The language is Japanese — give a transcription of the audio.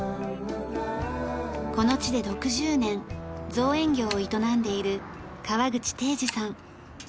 この地で６０年造園業を営んでいる川口禎二さん。